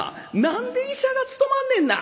何で医者が務まんねんな」。